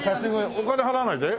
お金払わないで？